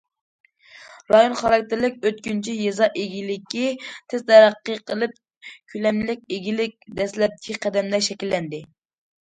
رايون خاراكتېرلىك ئۆتكۈنچى يېزا ئىگىلىكى تېز تەرەققىي قىلىپ، كۆلەملىك ئىگىلىك دەسلەپكى قەدەمدە شەكىللەندى.